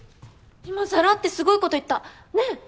今さらってすごいこと言ったねぇ。